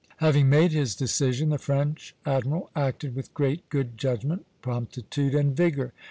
Having made his decision, the French admiral acted with great good judgment, promptitude, and vigor.